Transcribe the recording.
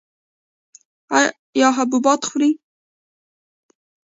ایا حبوبات خورئ؟